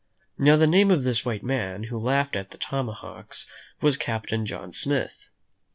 Now, the name of this white man who laughed at the tomahawks was Captain John Smith.